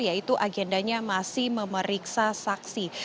yaitu agendanya masih memeriksa saksi